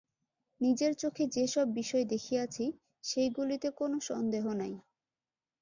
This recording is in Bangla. নিজের চোখে যে-সব বিষয় দেখিয়াছি, সেইগুলিতে কোন সন্দেহ নাই।